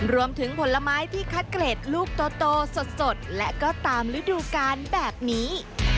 ผลไม้ที่คัดเกรดลูกโตสดและก็ตามฤดูกาลแบบนี้